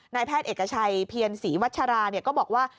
แพทย์เอกชัยเพียรศรีวัชราก็บอกว่า